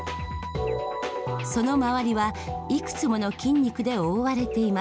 その周りはいくつもの筋肉で覆われています。